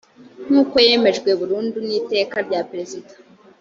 nk uko yemejwe burundu n iteka rya perezida